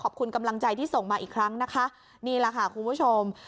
ขอบคุณกำลังใจที่ส่งมาอีกครั้งนะคะนี่แหละค่ะคุณผู้ชม